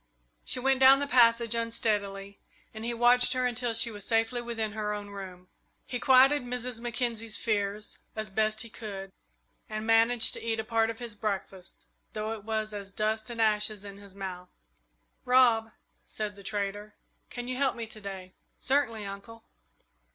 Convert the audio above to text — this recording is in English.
She went down the passage unsteadily, and he watched her until she was safely within her own room. He quieted Mrs. Mackenzie's fears as best he could, and managed to eat a part of his breakfast, though it was as dust and ashes in his mouth. "Rob," said the trader, "can you help me to day?" "Certainly, Uncle."